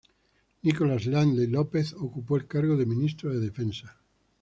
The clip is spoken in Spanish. Nicolás Lindley López ocupó el cargo de Ministro de Defensa.